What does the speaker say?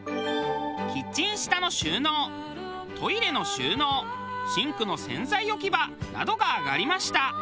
キッチン下の収納トイレの収納シンクの洗剤置き場などが挙がりました。